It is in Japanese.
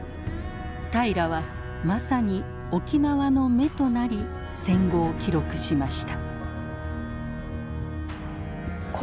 平良はまさに沖縄の眼となり戦後を記録しました。